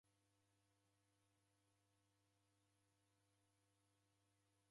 Kwashoa ya wandu